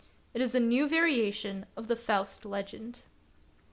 It is a new variation of the Faust legend.